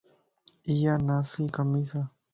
اِيا ناسي کميص ا